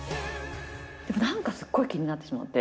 でも何かすっごい気になってしまって。